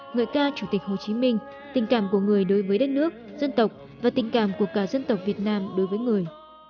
ngợi ca chủ tịch hồ chí minh tình cảm của người đối với đất nước dân tộc và tình cảm của cả dân tộc việt nam đối với người